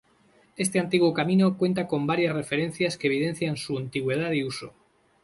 Este antiguo camino cuenta con varias referencias que evidencian su antigüedad y uso.